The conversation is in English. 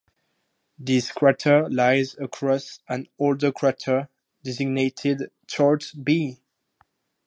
This crater lies across an older crater designated Short B.